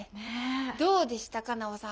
どうでしたか奈央さん